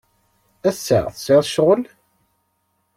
Ass-a, tesɛid ccɣel?